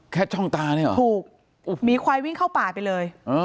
ช่องตาเนี่ยเหรอถูกมีควายวิ่งเข้าป่าไปเลย